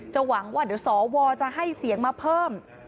หวังว่าเดี๋ยวสวจะให้เสียงมาเพิ่ม